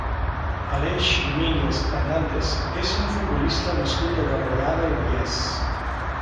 Aleix Domínguez Hernández és un futbolista nascut a Barberà del Vallès.